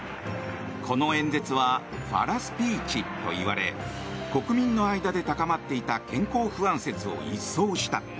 この演説はファラ・スピーチといわれ国民の間で高まっていた健康不安説を一掃した。